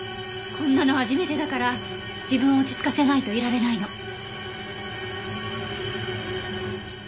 こんなの初めてだから自分を落ち着かせないといられないの。